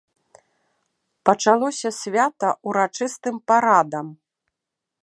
Пачалося свята ўрачыстым парадам.